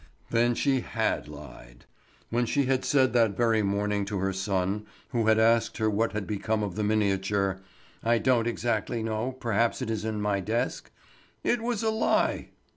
Then she had lied! When she had said that very morning to her son who had asked her what had become of the miniature: "I don't exactly know—perhaps it is in my desk"—it was a lie!